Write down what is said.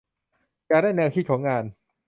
อยากได้แนวคิดของงาน